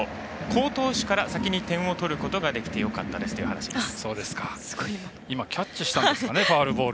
好投手から、先に点を取ることができてよかったですという話です。